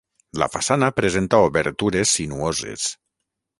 La façana presenta obertures sinuoses.